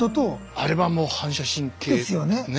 あれはもう反射神経。ですよね。